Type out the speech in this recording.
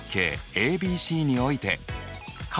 ＡＢＣにおいて∠